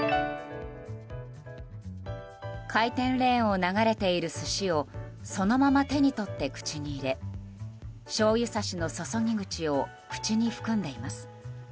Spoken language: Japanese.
回転レーンを流れている寿司をそのまま手に取って口に入れしょうゆさしの注ぎ口を口に含んでいます。